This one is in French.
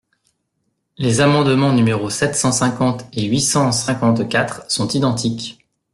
Les amendements numéros sept cent cinquante et huit cent cinquante-quatre sont identiques.